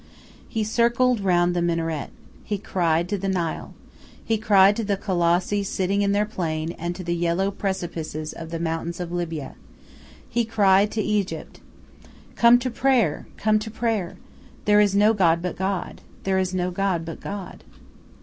He circled round the minaret. He cried to the Nile. He cried to the Colossi sitting in their plain, and to the yellow precipices of the mountains of Libya. He cried to Egypt: "Come to prayer! Come to prayer! There is no god but God. There is no god but God."